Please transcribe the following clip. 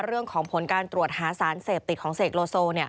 เรื่องของผลการตรวจหาสารเสพติดของเสกโลโซ